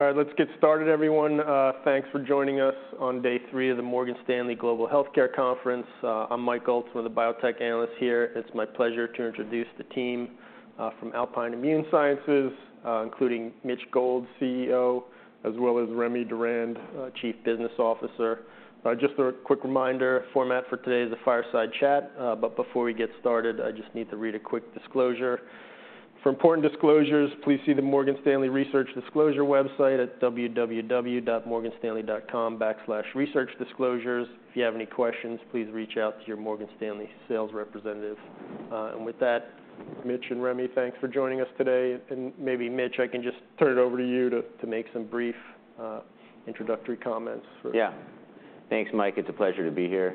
All right, let's get started, everyone. Thanks for joining us on day three of the Morgan Stanley Global Healthcare Conference. I'm Michael Ulz, the biotech analyst here. It's my pleasure to introduce the team from Alpine Immune Sciences, including Mitchell Gold, CEO, as well as Remy Durand, Chief Business Officer. Just a quick reminder, format for today is a fireside chat. But before we get started, I just need to read a quick disclosure. "For important disclosures, please see the Morgan Stanley Research Disclosure website at www.morganstanley.com/researchdisclosures. If you have any questions, please reach out to your Morgan Stanley sales representative." And with that, Mitchell and Remy, thanks for joining us today, and maybe, Mitchell, I can just turn it over to you to make some brief introductory comments for- Yeah. Thanks, Michael. It's a pleasure to be here.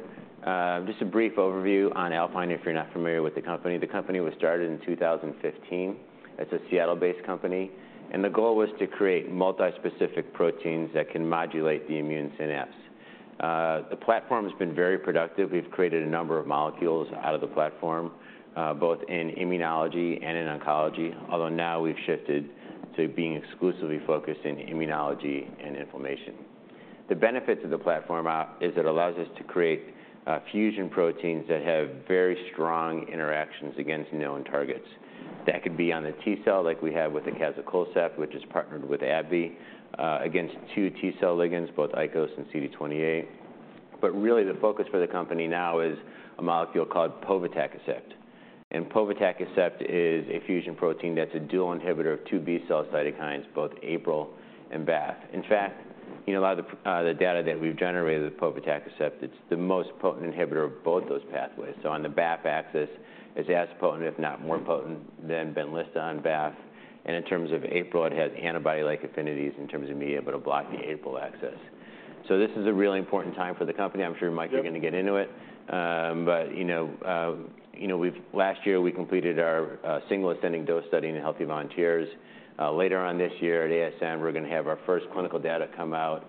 Just a brief overview on Alpine, if you're not familiar with the company. The company was started in 2015. It's a Seattle-based company, and the goal was to create multi-specific proteins that can modulate the immune synapse. The platform has been very productive. We've created a number of molecules out of the platform, both in immunology and in oncology, although now we've shifted to being exclusively focused in immunology and inflammation. The benefits of the platform is it allows us to create fusion proteins that have very strong interactions against known targets. That could be on the T cell, like we have with acazicolcept, which is partnered with AbbVie, against two T cell ligands, both ICOS and CD28. But really, the focus for the company now is a molecule called povetacicept, and povetacicept is a fusion protein that's a dual inhibitor of two B cell cytokines, both APRIL and BAFF. In fact, you know, a lot of the data that we've generated with povetacicept, it's the most potent inhibitor of both those pathways. So on the BAFF axis, it's as potent, if not more potent, than Benlysta on BAFF. And in terms of APRIL, it has antibody-like affinities in terms of being able to block the APRIL axis. So this is a really important time for the company. I'm sure, Mike, you're going to get into it. But, you know, you know, last year, we completed our single ascending dose study in healthy volunteers. Later on this year at ASN, we're going to have our first clinical data come out,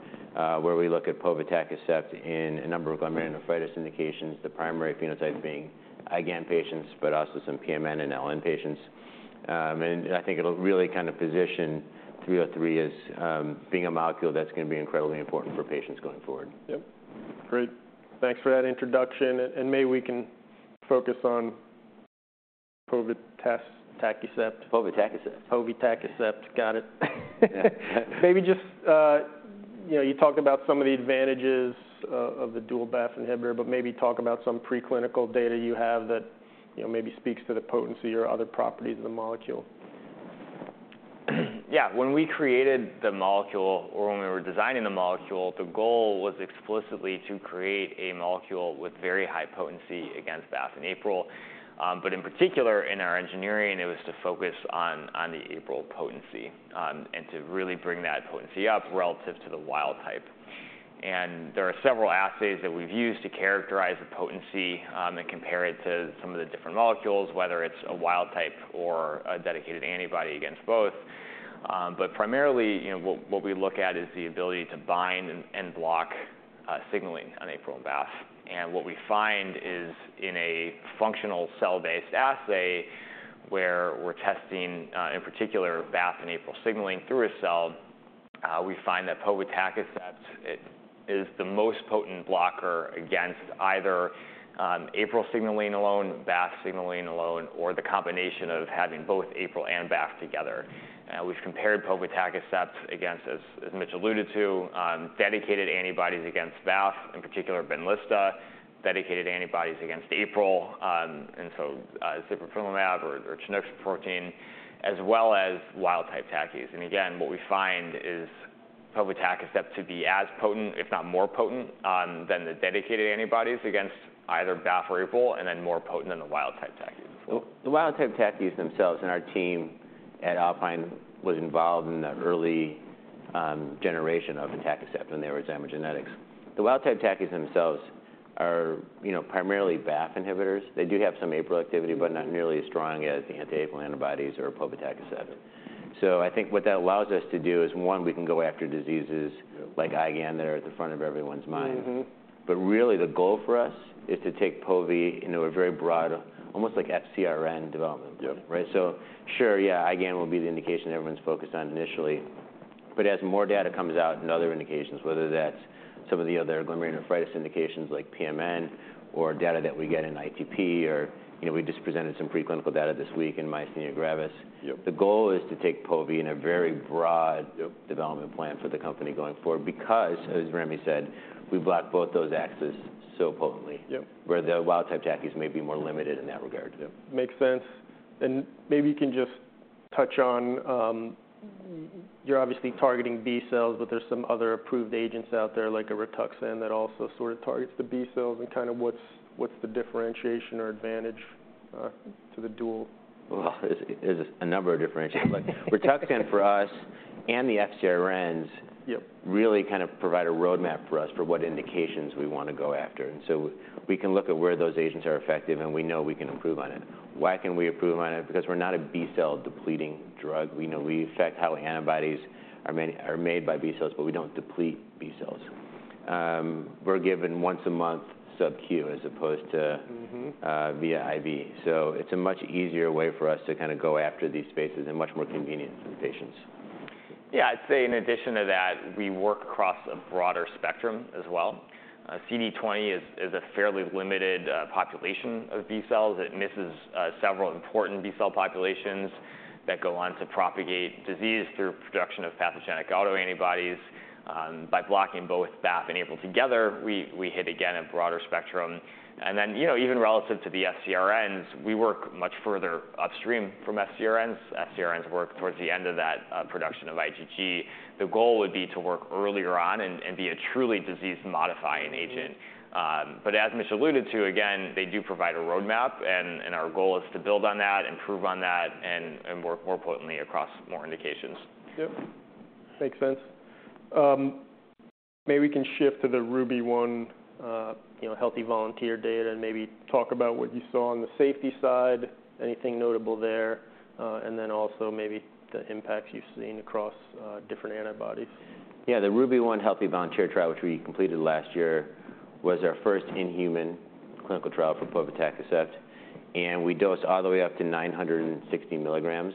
where we look at povetacicept in a number of glomerulonephritis indications, the primary phenotype being IgAN patients, but also some PMN and LN patients. I think it'll really kind of position 303 as being a molecule that's going to be incredibly important for patients going forward. Yep. Great. Thanks for that introduction, and maybe we can focus on povetacicept. Povetacicept. povetacicept, got it. Yeah. Maybe just, you know, you talked about some of the advantages of the dual BAFF inhibitor, but maybe talk about some preclinical data you have that, you know, maybe speaks to the potency or other properties of the molecule. Yeah. When we created the molecule, or when we were designing the molecule, the goal was explicitly to create a molecule with very high potency against BAFF and APRIL. But in particular, in our engineering, it was to focus on, on the APRIL potency, and to really bring that potency up relative to the wild type. And there are several assays that we've used to characterize the potency, and compare it to some of the different molecules, whether it's a wild type or a dedicated antibody against both. But primarily, you know, what, what we look at is the ability to bind and, and block signaling on APRIL and BAFF. And what we find is in a functional cell-based assay, where we're testing in particular BAFF and APRIL signaling through a cell, we find that povetacicept, it is the most potent blocker against either APRIL signaling alone, BAFF signaling alone, or the combination of having both APRIL and BAFF together. We've compared povetacicept against, as Mitchell alluded to, dedicated antibodies against BAFF, in particular Benlysta, dedicated antibodies against APRIL, and so sibeprenlimab or Chinook's protein, as well as wild-type TACI's. And again, what we find is povetacicept to be as potent, if not more potent, than the dedicated antibodies against either BAFF or APRIL, and then more potent than the wild-type TACI. The wild-type TACIs themselves, and our team at Alpine was involved in the early generation of atacicept when they were ZymoGenetics. The wild-type TACIs themselves are, you know, primarily BAFF inhibitors. They do have some APRIL activity, but not nearly as strong as the anti-APRIL antibodies or povetacicept. So I think what that allows us to do is, one, we can go after diseases- Yep... like IgAN that are at the front of everyone's mind. Mm-hmm. Really, the goal for us is to take povetacicept into a very broad, almost like FcRn development- Yep... right? So sure, yeah, IgAN will be the indication everyone's focused on initially, but as more data comes out in other indications, whether that's some of the other glomerulonephritis indications like PMN or data that we get in ITP, or, you know, we just presented some preclinical data this week in myasthenia gravis. Yep. The goal is to take povetacicept in a very broad- Yep... development plan for the company going forward, because, as Remy said, we block both those axes so potently- Yep... where the wild-type TACIs may be more limited in that regard. Yep. Makes sense. And maybe you can just touch on... You're obviously targeting B cells, but there's some other approved agents out there, like a Rituxan, that also sort of targets the B cells, and kind of what's the differentiation or advantage to the dual? Well, there's a number of differentiations. Rituxan, for us and the FcRns- Yep ... really kind of provide a roadmap for us for what indications we want to go after. And so we can look at where those agents are effective, and we know we can improve on it. Why can we improve on it? Because we're not a B-cell depleting drug. We know we affect how antibodies are made, are made by B cells, but we don't deplete B cells. We're given once a month subQ, as opposed to- Mm-hmm... via IV. So it's a much easier way for us to kind of go after these spaces and much more convenient for the patients. ... Yeah, I'd say in addition to that, we work across a broader spectrum as well. CD20 is a fairly limited population of B cells. It misses several important B-cell populations that go on to propagate disease through production of pathogenic autoantibodies. By blocking both BAFF and APRIL together, we hit again a broader spectrum. And then, you know, even relative to the FcRns, we work much further upstream from FcRns. FcRns work towards the end of that production of IgG. The goal would be to work earlier on and be a truly disease-modifying agent. But as Mitchell alluded to, again, they do provide a roadmap, and our goal is to build on that, improve on that, and work more potently across more indications. Yep, makes sense. Maybe we can shift to the RUBY-1, you know, healthy volunteer data and maybe talk about what you saw on the safety side, anything notable there, and then also maybe the impacts you've seen across different antibodies. Yeah, the RUBY-1 healthy volunteer trial, which we completed last year, was our first in-human clinical trial for povetacicept, and we dosed all the way up to 960 milligrams,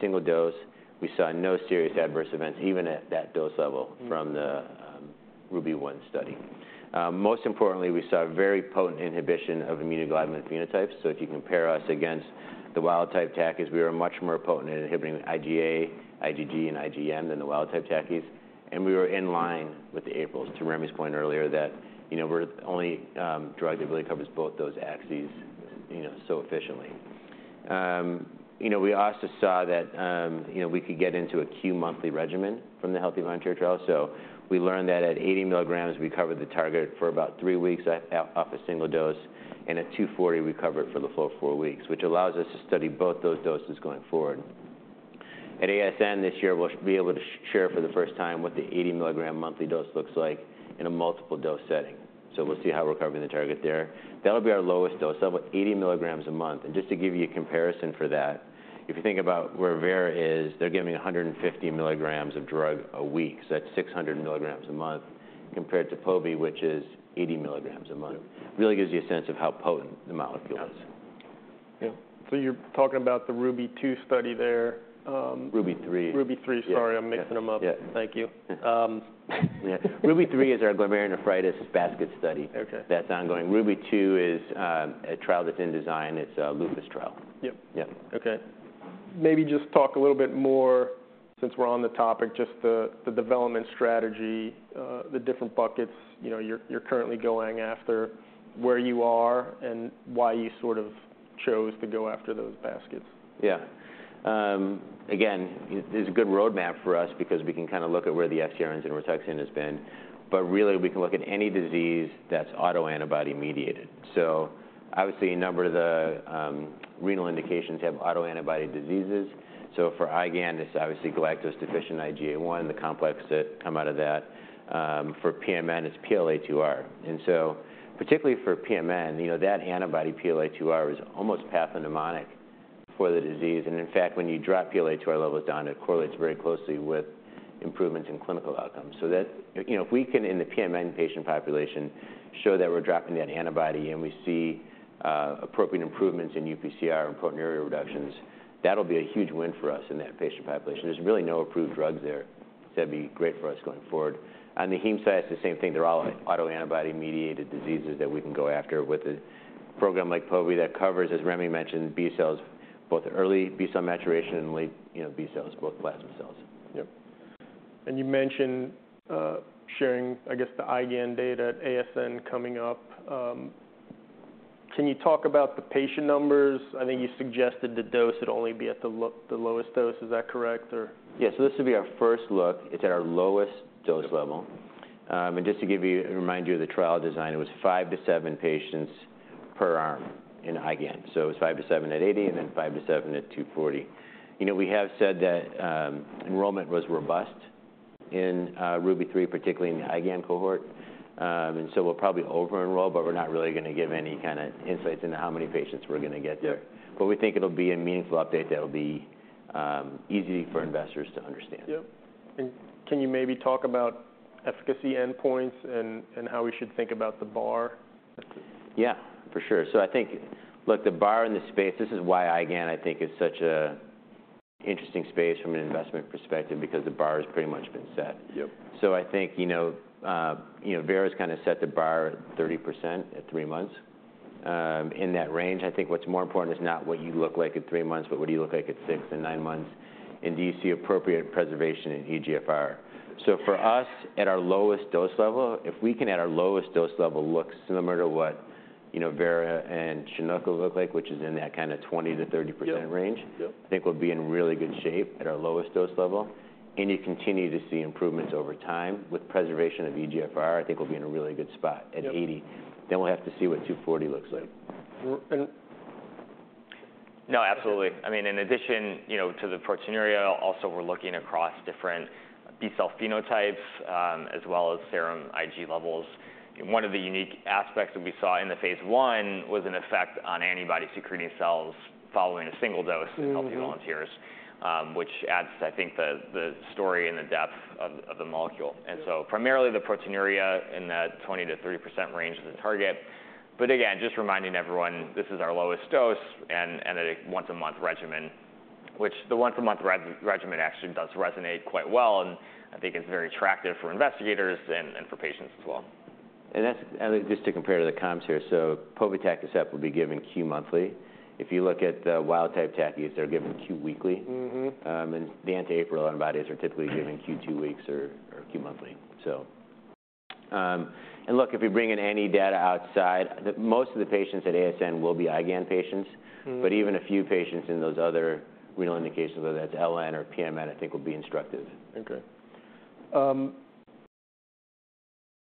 single dose. We saw no serious adverse events, even at that dose level. Mm. From the RUBY-1 study. Most importantly, we saw a very potent inhibition of immunoglobulin phenotypes. So if you compare us against the wild-type TACI, we are much more potent in inhibiting IgA, IgG, and IgM than the wild-type TACI. And we were in line with the APRILs, to Remy's point earlier, that, you know, we're the only drug that really covers both those axes, you know, so efficiently. You know, we also saw that we could get into a Q monthly regimen from the healthy volunteer trial. So we learned that at 80 mg, we covered the target for about three weeks off a single dose, and at 240 mg, we covered it for the full four weeks, which allows us to study both those doses going forward. At ASN this year, we'll be able to share for the first time what the 80 milligram monthly dose looks like in a multiple dose setting. Mm-hmm. So we'll see how we're covering the target there. That'll be our lowest dose, so about 80 milligrams a month. And just to give you a comparison for that, if you think about where Vera is, they're giving 150 milligrams of drug a week. So that's 600 milligrams a month, compared to povetacicept, which is 80 milligrams a month. Yep. Really gives you a sense of how potent the molecule is. Yep. So you're talking about the RUBY-2 study there. RUBY-3. RUBY-3. Yeah. Sorry, I'm mixing them up. Yeah. Thank you. Yeah, RUBY-3 is our glomerulonephritis basket study. Okay. That's ongoing. RUBY-2 is a trial that's in design. It's a lupus trial. Yep. Yep. Okay. Maybe just talk a little bit more, since we're on the topic, just the development strategy, the different buckets, you know, you're currently going after, where you are, and why you sort of chose to go after those baskets. Yeah. Again, it's a good roadmap for us because we can kind of look at where the FcRns and Rituxan has been, but really, we can look at any disease that's autoantibody mediated. So obviously, a number of the renal indications have autoantibody diseases. So for IgAN, this is obviously galactose-deficient IgA1, the complex that come out of that. For PMN, it's PLA2R. And so particularly for PMN, you know, that antibody, PLA2R, is almost pathognomonic for the disease. And in fact, when you drop PLA2R levels down, it correlates very closely with improvements in clinical outcomes. So that... You know, if we can, in the PMN patient population, show that we're dropping that antibody and we see appropriate improvements in UPCR and proteinuria reductions- Mm-hmm. That'll be a huge win for us in that patient population. There's really no approved drugs there. That'd be great for us going forward. On the heme side, it's the same thing. They're all- Mm-hmm autoantibody-mediated diseases that we can go after with a program like povetacicept that covers, as Remy mentioned, B cells, both early B cell maturation and late, you know, B cells, both plasma cells. Yep. And you mentioned sharing, I guess, the IgAN data at ASN coming up. Can you talk about the patient numbers? I think you suggested the dose would only be at the lowest dose. Is that correct or? Yes. So this would be our first look. It's at our lowest dose level. Yep. Just to give you a reminder of the trial design, it was five-seven patients per arm in IgAN. It was five-seven at 80- Mm-hmm and then five-seven at 240. You know, we have said that, enrollment was robust in, RUBY-3, particularly in the IgAN cohort. and so we'll probably over enroll, but we're not really gonna give any kind of insights into how many patients we're gonna get there. But we think it'll be a meaningful update that'll be, easy for investors to understand. Yep. Can you maybe talk about efficacy endpoints and how we should think about the bar? Yeah, for sure. So I think... Look, the bar in this space, this is why IgAN, I think, is such an interesting space from an investment perspective, because the bar has pretty much been set. Yep. So I think, you know, you know, Vera's kind of set the bar at 30% at three months. In that range, I think what's more important is not what you look like at three months, but what do you look like at six and nine months, and do you see appropriate preservation in eGFR? So for us, at our lowest dose level, if we can, at our lowest dose level, look similar to what, you know, Vera and Chinook will look like, which is in that kind of 20%-30% range- Yep, yep... I think we'll be in really good shape at our lowest dose level. And you continue to see improvements over time with preservation of eGFR, I think we'll be in a really good spot- Yep - at 80. Then we'll have to see what 240 looks like. And- No, absolutely. I mean, in addition, you know, to the proteinuria, also, we're looking across different B-cell phenotypes, as well as serum Ig levels. One of the unique aspects that we saw in the phase 1 was an effect on antibody secreting cells following a single dose. Mm-hmm... in healthy volunteers, which adds, I think, the story and the depth of the molecule. Yeah. So primarily, the proteinuria in that 20%-30% range is the target. But again, just reminding everyone, this is our lowest dose and a once-a-month regimen, which the once-a-month regimen actually does resonate quite well, and I think it's very attractive for investigators and for patients as well. And just to compare to the comps here, so povetacicept will be given Q monthly. If you look at the wild-type TACIs, they're given Q weekly. Mm-hmm. And the anti-APRIL antibodies are typically given Q two weeks or Q monthly. So, and look, if you bring in any data outside, the most of the patients at ASN will be IgAN patients. Mm. But even a few patients in those other real indications, whether that's LN or PMN, I think will be instructive. Okay.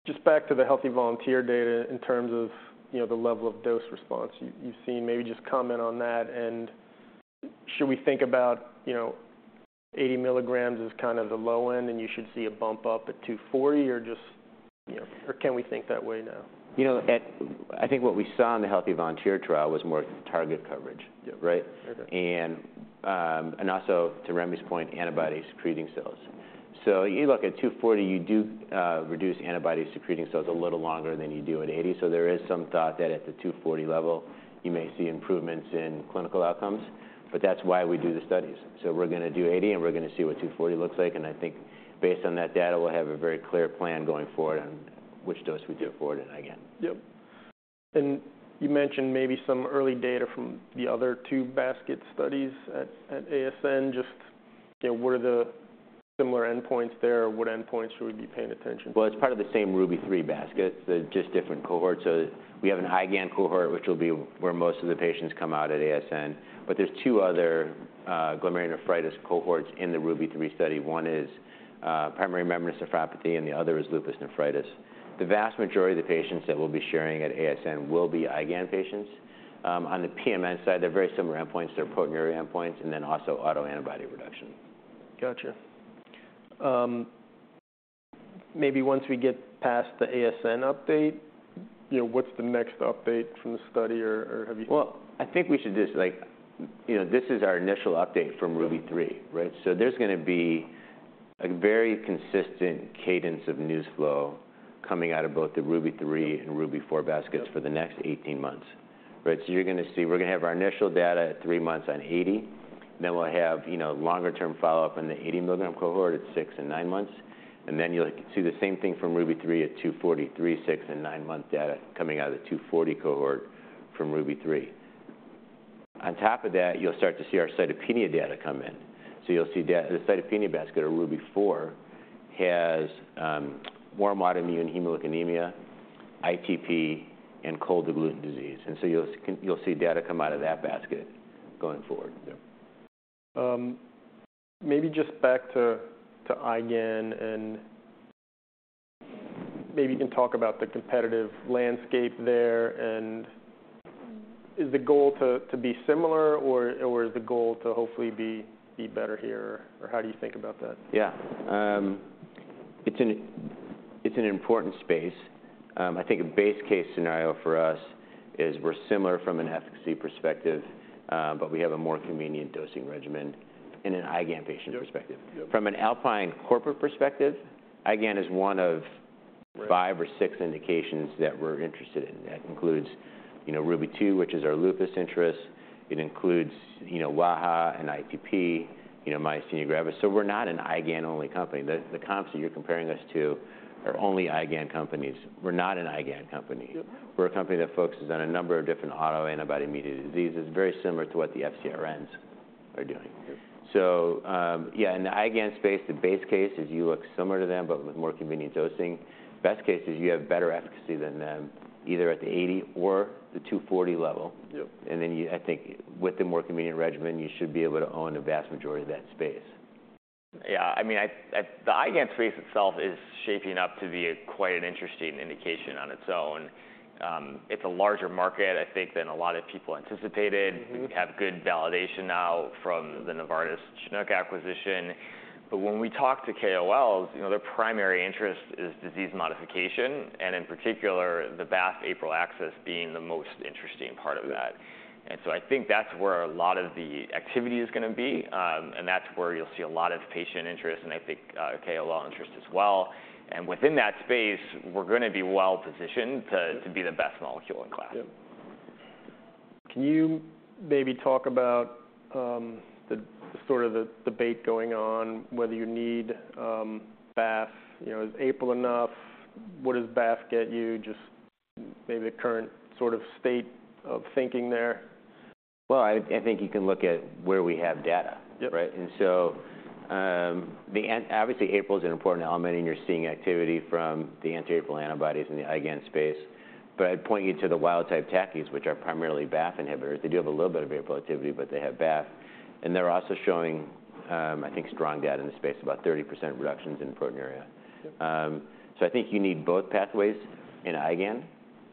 Just back to the healthy volunteer data in terms of, you know, the level of dose response you've seen, maybe just comment on that, and should we think about, you know, 80 milligrams as kind of the low end, and you should see a bump up at 240, or just, you know... Or can we think that way now? You know, I think what we saw in the healthy volunteer trial was more target coverage, right? Okay. And, and also, to Remy's point, antibody secreting cells. So you look at 240, you do, reduce antibody secreting cells a little longer than you do at 80. So there is some thought that at the 240 level, you may see improvements in clinical outcomes, but that's why we do the studies. So we're gonna do 80, and we're gonna see what 240 looks like, and I think based on that data, we'll have a very clear plan going forward on which dose we do going forward on IgAN. Yep. And you mentioned maybe some early data from the other two basket studies at ASN. Just, you know, what are the similar endpoints there, or what endpoints should we be paying attention to? Well, it's part of the same RUBY-3 basket, they're just different cohorts. So we have a high IgAN cohort, which will be where most of the patients come out at ASN, but there's two other glomerulonephritis cohorts in the RUBY-3 study. One is primary membranous nephropathy, and the other is lupus nephritis. The vast majority of the patients that we'll be sharing at ASN will be IgAN patients. On the PMN side, they're very similar endpoints. They're proteinuria endpoints and then also autoantibody reduction. Gotcha. Maybe once we get past the ASN update, you know, what's the next update from the study, or, or have you- Well, I think we should just like... You know, this is our initial update from RUBY-3, right? So there's gonna be a very consistent cadence of news flow coming out of both the RUBY-3 and RUBY-4 baskets- Yep... for the next 18 months. Right, so you're gonna see-- we're gonna have our initial data at three months on 80, then we'll have, you know, longer term follow-up on the 80-milligram cohort at six and nine months. And then you'll see the same thing from RUBY-3 at 240, three, six and nine-month data coming out of the 240 cohort from RUBY-3. On top of that, you'll start to see our cytopenia data come in. So you'll see the cytopenia basket or RUBY-4 has warm autoimmune hemolytic anemia, ITP, and cold agglutinin disease, and so you'll see data come out of that basket going forward. Yep. Maybe just back to IgAN, and maybe you can talk about the competitive landscape there, and is the goal to be similar, or is the goal to hopefully be better here? Or how do you think about that? Yeah. It's an important space. I think a base case scenario for us is we're similar from an efficacy perspective, but we have a more convenient dosing regimen in an IgAN patient perspective. Yep. From an Alpine corporate perspective, IgAN is one of- Right... five or six indications that we're interested in. That includes, you know, RUBY-2, which is our lupus interest. It includes, you know, WAHA and ITP, you know, myasthenia gravis. So we're not an IgAN-only company. The, the comps that you're comparing us to are only IgAN companies. We're not an IgAN company. Yep. We're a company that focuses on a number of different autoantibody-mediated diseases, very similar to what the FcRns are doing. Yep. So, yeah, in the IgAN space, the base case is you look similar to them, but with more convenient dosing. Best case is you have better efficacy than them, either at the 80 or the 240 level. Yep. And then, I think with the more convenient regimen, you should be able to own the vast majority of that space. Yeah. I mean, the IgAN space itself is shaping up to be quite an interesting indication on its own. It's a larger market, I think, than a lot of people anticipated. Mm-hmm. We have good validation now from the Novartis Chinook acquisition. But when we talk to KOLs, you know, their primary interest is disease modification, and in particular, the BAFF/APRIL axis being the most interesting part of that. Mm. And so I think that's where a lot of the activity is gonna be, and that's where you'll see a lot of patient interest and I think, KOL interest as well. And within that space, we're gonna be well positioned to- Yep... to be the best molecule in class. Yep. Can you maybe talk about, the sort of the debate going on, whether you need, BAFF? You know, is APRIL enough? What does BAFF get you? Just maybe the current sort of state of thinking there. Well, I think you can look at where we have data. Yep. Right? And so, obviously, APRIL is an important element, and you're seeing activity from the anti-APRIL antibodies in the IgAN space. But I'd point you to the wild-type TACIs, which are primarily BAFF inhibitors. They do have a little bit of APRIL activity, but they have BAFF, and they're also showing, I think, strong data in the space, about 30% reductions in proteinuria. Yep. So I think you need both pathways in IgAN.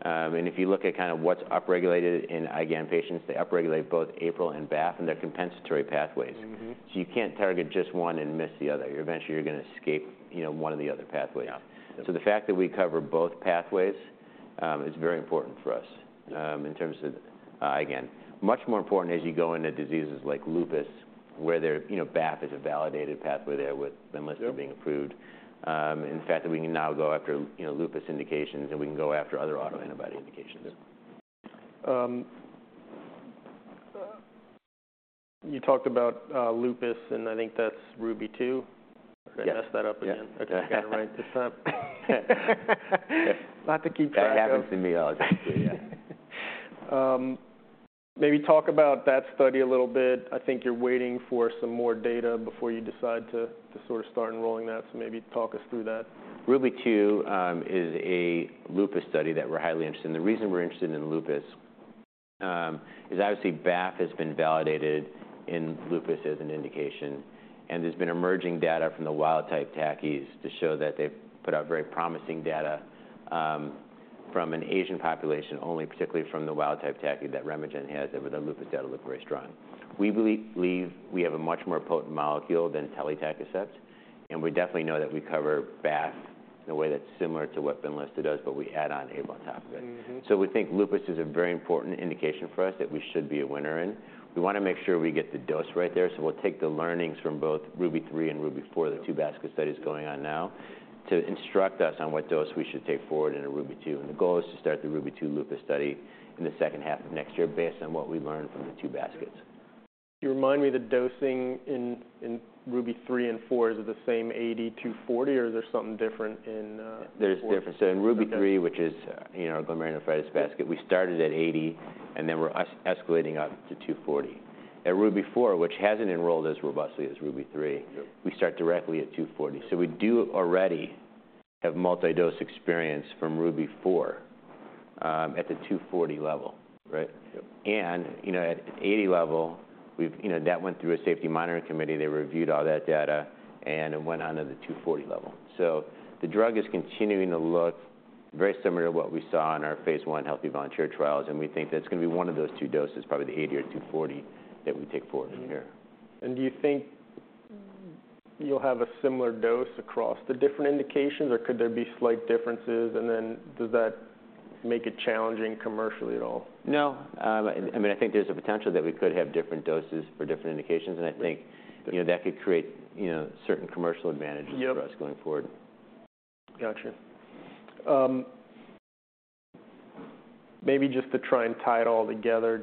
And if you look at kind of what's upregulated in IgAN patients, they upregulate both APRIL and BAFF, and they're compensatory pathways. Mm-hmm. You can't target just one and miss the other. Eventually, you're gonna escape, you know, one or the other pathways. Yeah. So the fact that we cover both pathways is very important for us in terms of IgAN. Much more important as you go into diseases like lupus... where there, you know, BAFF is a validated pathway there with Benlysta- Yep being approved. In fact, that we can now go after, you know, lupus indications, and we can go after other autoantibody indications. Yep. You talked about lupus, and I think that's RUBY-2. Yeah. I messed that up again. Yeah. I gotta write this up. A lot to keep track of. That happens to me all the time. Maybe talk about that study a little bit. I think you're waiting for some more data before you decide to sort of start enrolling that. So maybe talk us through that. RUBY-2 is a lupus study that we're highly interested in. The reason we're interested in lupus is obviously BAFF has been validated in lupus as an indication, and there's been emerging data from the wild-type TACIs to show that they've put out very promising data from an Asian population, only particularly from the wild-type TACI that RemeGen has, and with the lupus data look very strong. We believe we have a much more potent molecule than telitacicept, and we definitely know that we cover BAFF in a way that's similar to what Benlysta does, but we add on APRIL on top of it. Mm-hmm. So we think lupus is a very important indication for us that we should be a winner in. We wanna make sure we get the dose right there, so we'll take the learnings from both RUBY-3 and RUBY-4, the two basket studies going on now, to instruct us on what dose we should take forward into RUBY-2. And the goal is to start the RUBY-2 lupus study in the second half of next year, based on what we learned from the two baskets. Can you remind me the dosing in RUBY-3 and RUBY-4? Is it the same 80, 240, or is there something different in four? There's a difference. Okay. So in RUBY-3, which is, you know, glomerulonephritis basket, we started at 80, and then we're escalating up to 240. At RUBY-4, which hasn't enrolled as robustly as RUBY-3- Yep... we start directly at 240. So we do already have multi-dose experience from RUBY-4 at the 240 level, right? Yep. You know, at 80 level, we've, you know, that went through a safety monitoring committee. They reviewed all that data, and it went on to the 240 level. So the drug is continuing to look very similar to what we saw in our phase 1 healthy volunteer trials, and we think that's gonna be one of those two doses, probably the 80 or 240, that we take forward from here. Mm-hmm. And do you think you'll have a similar dose across the different indications, or could there be slight differences? And then does that make it challenging commercially at all? No. I mean, I think there's a potential that we could have different doses for different indications, and I think- Right... you know, that could create, you know, certain commercial advantages- Yep for us going forward. Gotcha. Maybe just to try and tie it all together,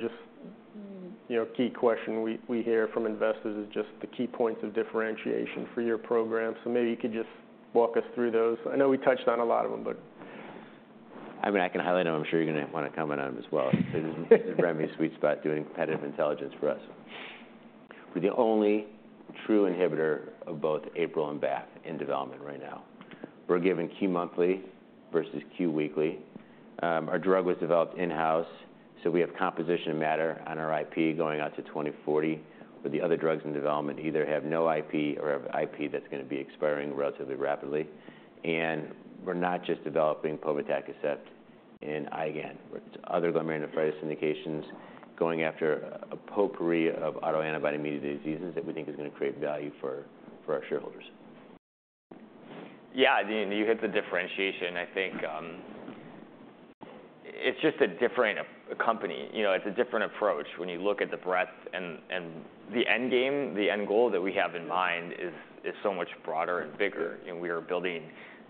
just, you know, key question we, we hear from investors is just the key points of differentiation for your program. So maybe you could just walk us through those. I know we touched on a lot of them, but... I mean, I can highlight them. I'm sure you're gonna wanna comment on them as well. This is, this is Remy's sweet spot, doing competitive intelligence for us. We're the only true inhibitor of both APRIL and BAFF in development right now. We're giving Q monthly versus Q weekly. Our drug was developed in-house, so we have composition of matter on our IP going out to 2040, with the other drugs in development either have no IP or have IP that's gonna be expiring relatively rapidly. And we're not just developing povetacicept in IgAN, with other glomerulonephritis indications, going after a potpourri of autoantibody immune diseases that we think is gonna create value for, for our shareholders. Yeah, I mean, you hit the differentiation. I think, it's just a different company, you know, it's a different approach when you look at the breadth and the end game. The end goal that we have in mind is so much broader and bigger, and we are building,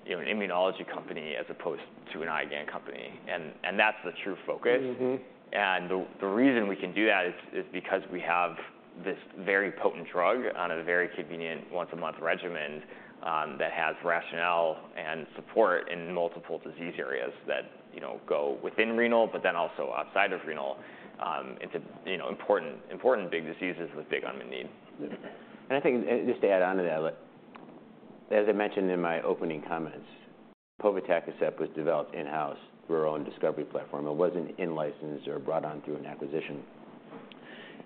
you know, an immunology company as opposed to an IgAN company. And that's the true focus. Mm-hmm. The reason we can do that is because we have this very potent drug on a very convenient once-a-month regimen that has rationale and support in multiple disease areas that, you know, go within renal, but then also outside of renal. You know, it's a important, important big diseases with big unmet need. I think, just to add on to that, like, as I mentioned in my opening comments, povetacicept was developed in-house through our own discovery platform. It wasn't in-licensed or brought on through an acquisition.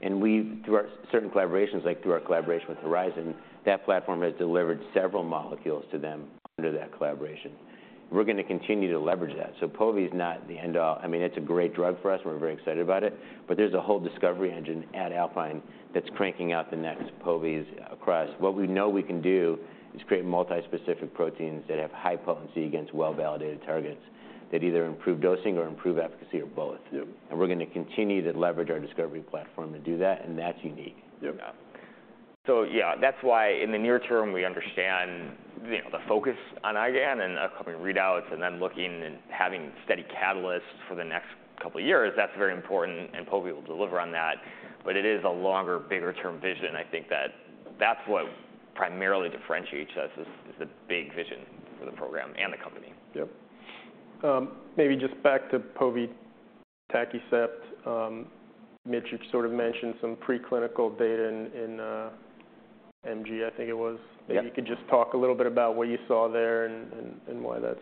And we, through our certain collaborations, like through our collaboration with Horizon, that platform has delivered several molecules to them under that collaboration. We're gonna continue to leverage that. So povetacicept is not the end all... I mean, it's a great drug for us, we're very excited about it, but there's a whole discovery engine at Alpine that's cranking out the next povetacicept across. What we know we can do is create multi-specific proteins that have high potency against well-validated targets, that either improve dosing or improve efficacy or both. Yep. We're gonna continue to leverage our discovery platform to do that, and that's unique. Yep. Uh. So yeah, that's why in the near term, we understand, you know, the focus on IgAN and upcoming readouts, and then looking and having steady catalysts for the next couple of years. That's very important, and povetacicept will deliver on that, but it is a longer, bigger term vision. I think that that's what primarily differentiates us, is the, big vision for the program and the company. Yep. Maybe just back to povetacicept. Mitchell, you sort of mentioned some preclinical data in MG, I think it was. Yep. Maybe you could just talk a little bit about what you saw there and why that's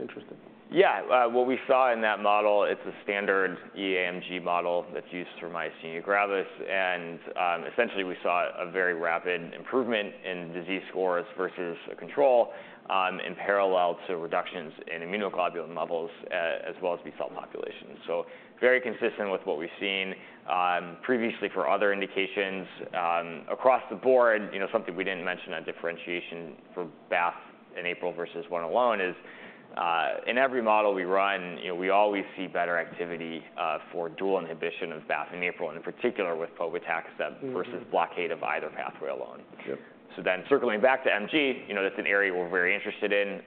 interesting? Yeah. What we saw in that model, it's a standard EAMG model that's used for myasthenia gravis. Essentially, we saw a very rapid improvement in disease scores versus a control, in parallel to reductions in immunoglobulin levels, as well as B cell populations. So very consistent with what we've seen, previously for other indications. Across the board, you know, something we didn't mention on differentiation for BAFF and APRIL versus one alone is. In every model we run, you know, we always see better activity, for dual inhibition of BAFF and APRIL, and in particular with povetacicept- Mm-hmm. versus blockade of either pathway alone. Yep. So then circling back to MG, you know, that's an area we're very interested in.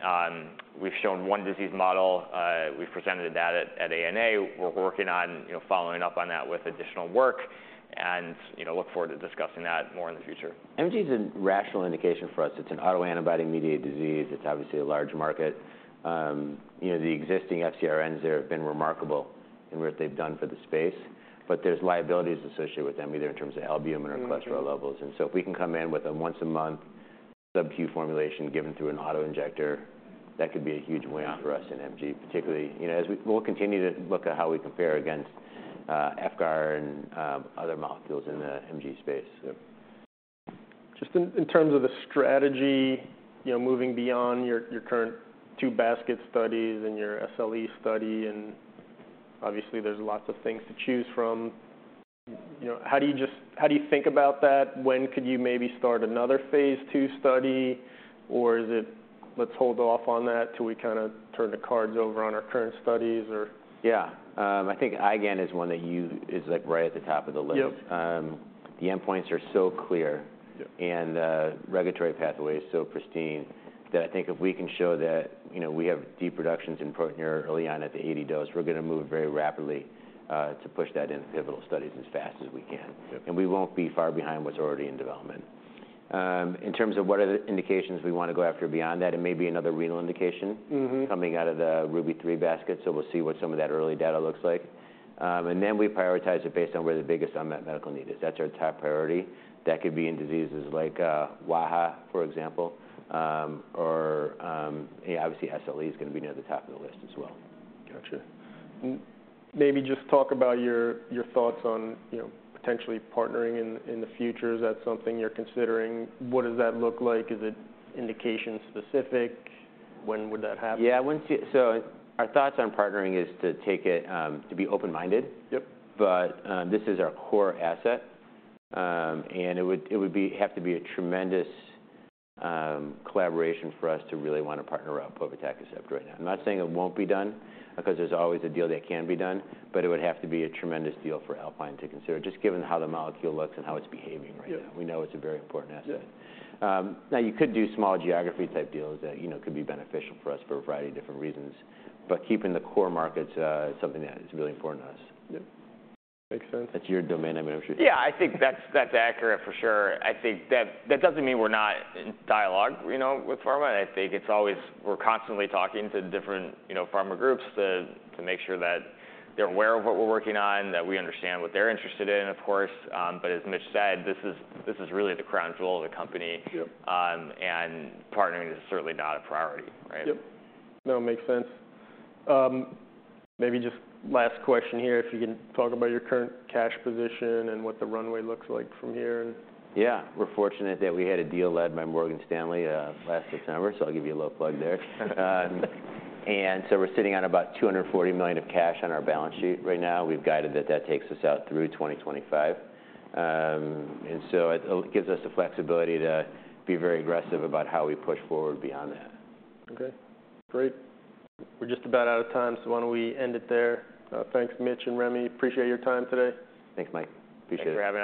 We've shown one disease model, we've presented that at ANA. We're working on, you know, following up on that with additional work and, you know, look forward to discussing that more in the future. MG is a rational indication for us. It's an autoantibody mediated disease. It's obviously a large market. You know, the existing FcRns there have been remarkable in what they've done for the space, but there's liabilities associated with them, either in terms of albumin or cholesterol levels. Mm-hmm. If we can come in with a once-a-month subQ formulation given through an auto-injector, that could be a huge win- Yeah For us in MG, particularly, you know, as we'll continue to look at how we compare against FcRn and other molecules in the MG space. So... Just in terms of the strategy, you know, moving beyond your current two basket studies and your SLE study, and obviously, there's lots of things to choose from, you know, how do you just, how do you think about that? When could you maybe start another phase II study, or is it, let's hold off on that till we kinda turn the cards over on our current studies, or? Yeah. I think IgAN is one that is, like, right at the top of the list. Yep. The endpoints are so clear- Yep - and the regulatory pathway is so pristine, that I think if we can show that, you know, we have deep reductions in protein early on at the 80 dose, we're gonna move very rapidly to push that into pivotal studies as fast as we can. Yep. We won't be far behind what's already in development. In terms of what are the indications we wanna go after beyond that, it may be another renal indication- Mm-hmm - coming out of the RUBY-3 basket, so we'll see what some of that early data looks like. And then we prioritize it based on where the biggest unmet medical need is. That's our top priority. That could be in diseases like, WAHA, for example, or, obviously, SLE is gonna be near the top of the list as well. Gotcha. Maybe just talk about your thoughts on, you know, potentially partnering in the future. Is that something you're considering? What does that look like? Is it indication specific? When would that happen? Yeah, so our thoughts on partnering is to take it to be open-minded. Yep. But this is our core asset, and it would have to be a tremendous collaboration for us to really wanna partner up povetacicept right now. I'm not saying it won't be done, because there's always a deal that can be done, but it would have to be a tremendous deal for Alpine to consider, just given how the molecule looks and how it's behaving right now. Yep. We know it's a very important asset. Yeah. Now, you could do small geography type deals that, you know, could be beneficial for us for a variety of different reasons, but keeping the core markets is something that is really important to us. Yep, makes sense. That's your domain, I mean, I'm sure. Yeah, I think that's accurate, for sure. I think that doesn't mean we're not in dialogue, you know, with pharma. I think it's always... We're constantly talking to different, you know, pharma groups to make sure that they're aware of what we're working on, that we understand what they're interested in, of course. But as Mitchell said, this is really the crown jewel of the company. Yep. Partnering is certainly not a priority, right? Yep. No, it makes sense. Maybe just last question here, if you can talk about your current cash position and what the runway looks like from here? Yeah. We're fortunate that we had a deal led by Morgan Stanley last December, so I'll give you a little plug there. And so we're sitting on about $240 million of cash on our balance sheet right now. We've guided that that takes us out through 2025. And so it, it gives us the flexibility to be very aggressive about how we push forward beyond that. Okay, great. We're just about out of time, so why don't we end it there? Thanks, Mitchell and Remy. Appreciate your time today. Thanks, Michael. Appreciate it. Thanks for having us.